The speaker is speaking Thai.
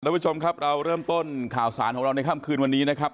คุณผู้ชมครับเราเริ่มต้นข่าวสารของเราในค่ำคืนวันนี้นะครับ